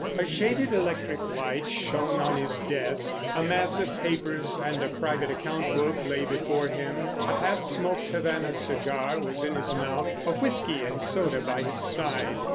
A shaded electric light shone on his desk. A mass of papers and a private account book lay before him, a half smoked Havana cigar was in his mouth, a whisky and soda by his side.